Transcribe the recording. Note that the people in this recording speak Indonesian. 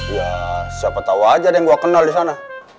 ya siapa tahu aja deh yang gue kenal di sana